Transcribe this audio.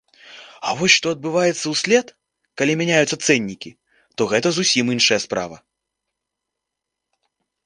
А вось што адбываецца ўслед, калі мяняюцца цэннікі, то гэта зусім іншая справа.